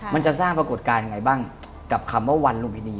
มันจะสร้างปรากฏการณ์ยังไงบ้างกับคำว่าวันลุมพินี